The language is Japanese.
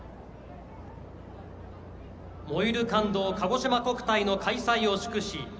「燃ゆる感動かごしま国体」の開催を祝し